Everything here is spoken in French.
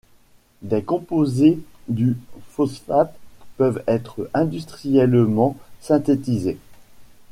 Des composés du phosphates peuvent être industriellement synthétisés.